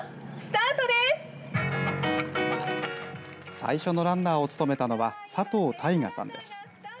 最初のランナーを務めたのは佐藤大河さんです。